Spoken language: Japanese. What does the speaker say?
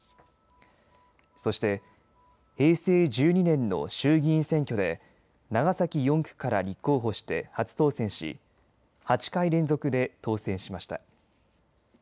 そして平成１２年の衆議院選挙で長崎４区から立候補して初当選し８回連続で当選しました。